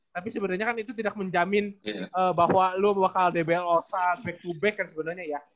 tapi sebenarnya kan itu tidak menjamin bahwa lo bakal dbl osa back to back kan sebenarnya ya